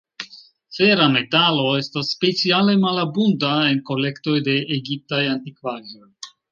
Fera metalo estas speciale malabunda en kolektoj de egiptaj antikvaĵoj.